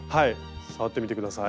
触ってみて下さい。